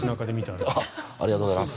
ありがとうございます。